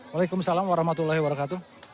waalaikumsalam warahmatullahi wabarakatuh